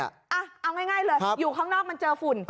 เอาง่ายเลยอยู่ข้างนอกมันเจอฝุ่น